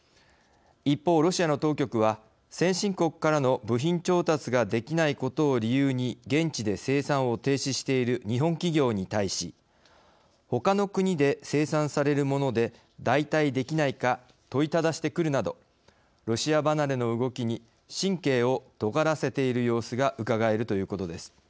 一方ロシアの当局は先進国からの部品調達ができないことを理由に現地で生産を停止している日本企業に対しほかの国で生産されるもので代替できないか問いただしてくるなどロシア離れの動きに神経をとがらせている様子がうかがえるということです。